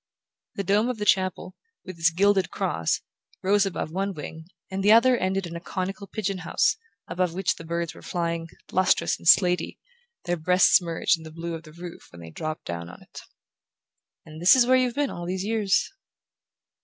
The dome of the chapel, with its gilded cross, rose above one wing, and the other ended in a conical pigeon house, above which the birds were flying, lustrous and slatey, their breasts merged in the blue of the roof when they dropped down on it. "And this is where you've been all these years."